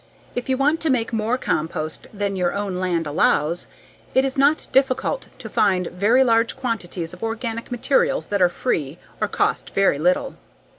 If you want to make more compost than your own land allows, it is not difficult to find very large quantities of organic materials that are free or cost very little.